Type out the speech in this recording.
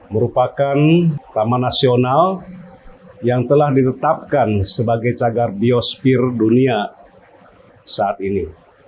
merupakan taman nasional yang telah ditetapkan sebagai cagar biospir dunia saat ini